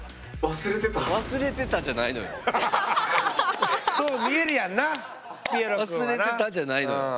「忘れてた」じゃないのよ。